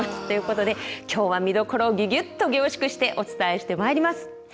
ということで今日は見どころをギュギュっと凝縮してお伝えしてまいります。